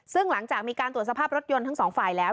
ซึ่งหลังจากมีการตรวจสภาพรถยนต์ทั้งสองฝ่ายแล้ว